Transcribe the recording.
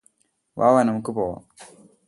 വാവാ നമുക്ക് പോവാം